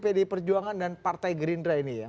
pdi perjuangan dan partai gerindra ini ya